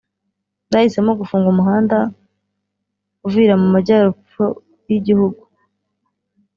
bahisemo gufunga umuhanda i Uvira mu Majyepfo y’igihugu